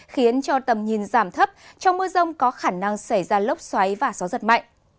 khiến cho tầm nhìn giảm thấp trong mưa rông có khả năng xảy ra lốc xoáy và gió giật mạnh